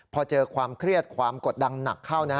พอเจอความเครียดความกดดันหนักเข้า